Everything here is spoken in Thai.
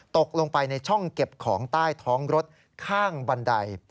ตกลงไปในช่องเก็บของใต้ท้องรถข้างบันได